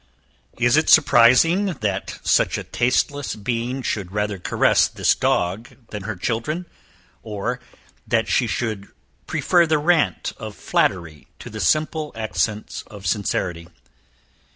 Is it surprising, that such a tasteless being should rather caress this dog than her children? Or, that she should prefer the rant of flattery to the simple accents of sincerity?